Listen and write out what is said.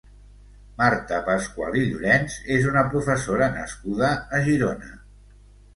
Marta Pasqual i Llorenç és una professora nascuda a Girona.